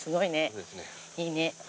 いいね。